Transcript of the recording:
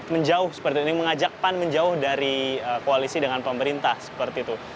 menjauh seperti ini mengajak pan menjauh dari koalisi dengan pemerintah seperti itu